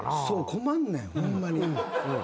困んねんホンマに。